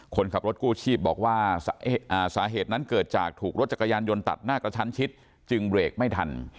คนขับรถกู้ชีพบอกว่าสาเหตุนั้นเกิดจากถูกรถจักรยานยนต์ตัดหน้ากระชั้นชิดจึงเบรกไม่ทัน